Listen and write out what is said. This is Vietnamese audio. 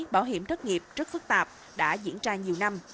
bảo hiểm thất nghiệp rất phức tạp đã diễn ra nhiều năm